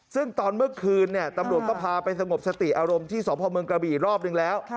ซึ่งตอนเมื่อคืนตำรวจก็พาไปสงบสติอารมณ์ที่สพเมืองกระบี่รอบนึงแล้ว